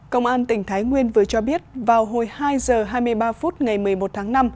công an tỉnh thái nguyên vừa cho biết vào hồi hai h hai mươi ba phút ngày một mươi một tháng năm